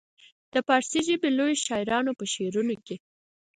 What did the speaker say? د فارسي ژبې لویو شاعرانو په شعرونو کې.